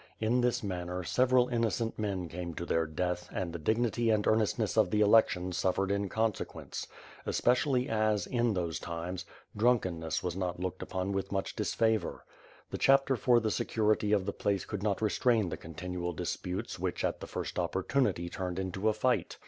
In this manner, several innocent men came to their death and the dignity and earnestness of the election suf fered in consequence; especially as, in those times, drunken ness was not looked upon with much disfavor. The Chapter for the security of the place could not restrain the continual disputes which at the first opportunity turned into a fight.